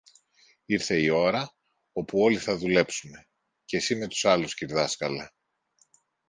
Ήρθε η ώρα όπου όλοι θα δουλέψουμε, και συ με τους άλλους, κυρδάσκαλε.